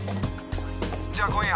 じゃ今夜。